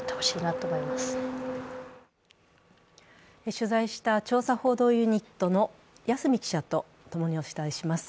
取材した調査報道ユニットの八角記者とともにお伝えします。